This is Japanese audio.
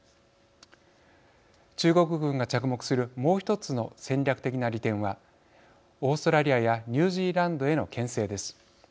中国軍が着目するもう１つの戦略的な利点はオーストラリアやニュージーランドへのけん制です。